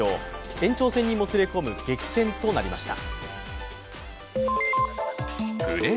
延長戦にもつれ込む激戦となりました。